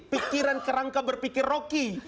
pikiran kerangka berpikir roky